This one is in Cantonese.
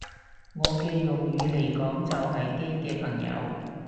我嘅用語嚟講就係基嘅朋友